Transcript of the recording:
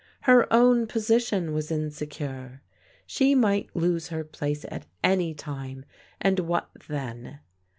Her own position was insecure. She might lose her place at any time, and what then?